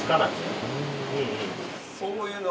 そういうの？